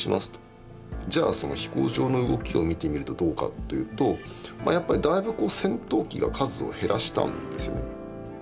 じゃあその飛行場の動きを見てみるとどうかというとやっぱりだいぶ戦闘機が数を減らしたんですよね。